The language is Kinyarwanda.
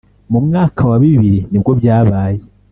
mu mwaka wa bibiri nibwo byabaye